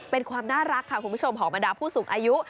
เป็นความน่ารักค่ะคุณผู้ชมของบรรดาผู้สูงอายุ